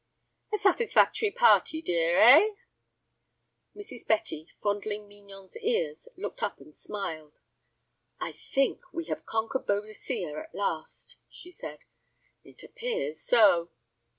"A satisfactory party, dear, eh?" Mrs. Betty, fondling Mignon's ears, looked up and smiled. "I think we have conquered Boadicea at last," she said. "It appears so."